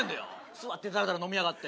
座ってだらだら飲みやがって。